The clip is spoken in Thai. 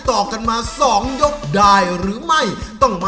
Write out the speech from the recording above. โดยการแข่งขาวของทีมเด็กเสียงดีจำนวนสองทีม